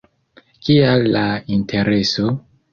Kial la Intereso?